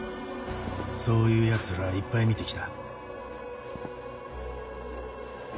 そういう奴らはいっぱい見て来た。